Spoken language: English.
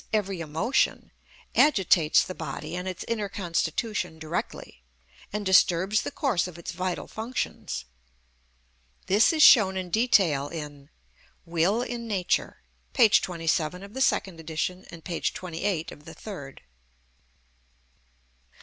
_, every emotion, agitates the body and its inner constitution directly, and disturbs the course of its vital functions. This is shown in detail in "Will in Nature," p. 27 of the second edition and p. 28 of the third.